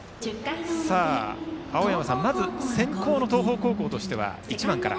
青山さん、まず先攻の東邦高校としては１番から。